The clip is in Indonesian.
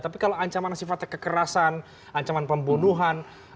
tapi kalau ancaman sifatnya kekerasan ancaman pembunuhan